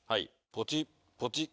ポチッポチッ